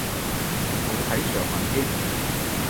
冇睇上文添